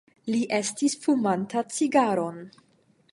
Li estis fumanta cigaron.